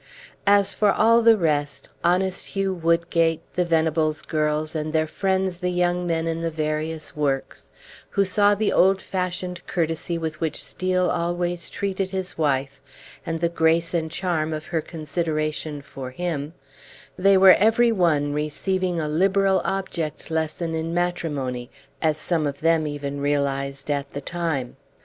As for all the rest honest Hugh Woodgate, the Venables girls, and their friends the young men in the various works, who saw the old fashioned courtesy with which Steel always treated his wife, and the grace and charm of her consideration for him they were every one receiving a liberal object lesson in matrimony, as some of them even realized at the time.